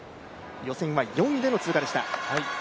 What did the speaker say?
予選は４位での通過でした。